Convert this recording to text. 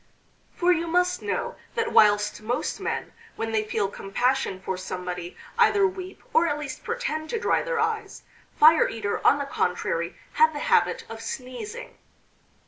For you must know that whilst most men when they feel compassion for somebody either weep, or at least pretend to dry their eyes, Fire eater, on the contrary, had the habit of sneezing.